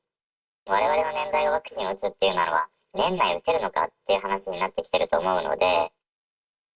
われわれの年代がワクチンを打つというのが、年内打てるのかという話になってきてると思うので。